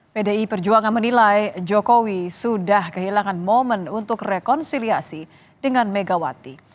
pdi perjuangan menilai jokowi sudah kehilangan momen untuk rekonsiliasi dengan megawati